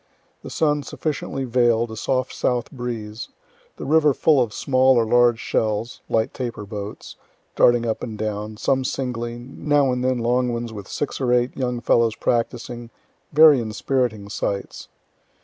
The sun sufficiently veil'd, a soft south breeze, the river full of small or large shells (light taper boats) darting up and down, some singly, now and then long ones with six or eight young fellows practicing very inspiriting sights.